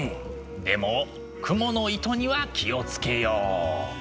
でも蜘蛛の糸には気を付けよう！